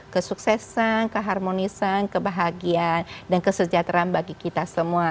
kesuksesan keharmonisan kebahagiaan dan kesejahteraan bagi kita semua